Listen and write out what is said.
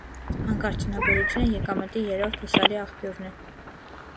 Հանքարդյունաբերությունը եկամտի երրորդ հուսալի աղբյուրն է։